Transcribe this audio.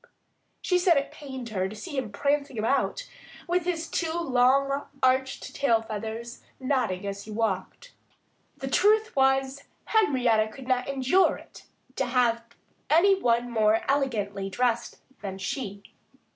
She said it pained her to see him prancing about, with his two long, arched tail feathers nodding as he walked. The truth was, Henrietta could not endure it to have any one more elegantly dressed than she.